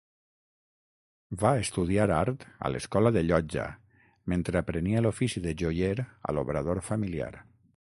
Va estudiar art a l'Escola de Llotja mentre aprenia l'ofici de joier a l'obrador familiar.